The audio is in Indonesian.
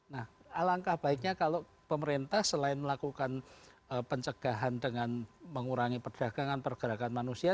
nah alangkah baiknya kalau pemerintah selain melakukan pencegahan dengan mengurangi perdagangan pergerakan manusia